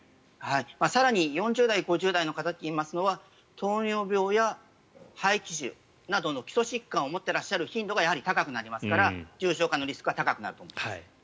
更に４０代、５０代の方といいますのは糖尿病や肺気腫などの基礎疾患を持っていらっしゃる頻度が高くなりますから重症化のリスクは高くなると思います。